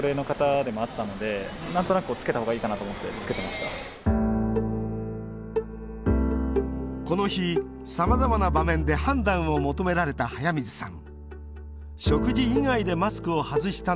しかしこの日、さまざまな場面で判断を求められた速水さん。